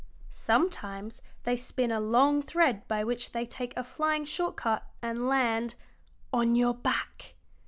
Sometimes they spin a long thread by which they take a flying short cut and land on your back."